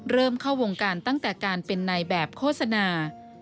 เริ่มเข้าวงการตั้งแต่การเป็นนายแบบโฆษณา